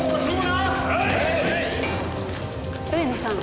上野さん。